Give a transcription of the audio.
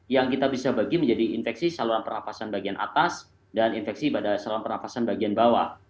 yang kita bisa bagi menjadi infeksi saluran pernafasan bagian atas dan infeksi pada saluran pernafasan bagian bawah